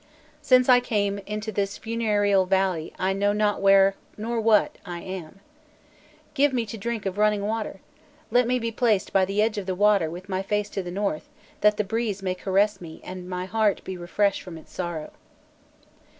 Since I came into this funereal valley I know not where nor what I am. Give me to drink of running water!... Let me be placed by the edge of the water with my face to the North, that the breeze may caress me and my heart be refreshed from its sorrow."